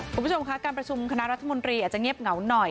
คุณผู้ชมคะการประชุมคณะรัฐมนตรีอาจจะเงียบเหงาหน่อย